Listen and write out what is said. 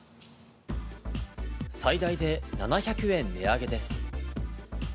最大で７００円値上げです。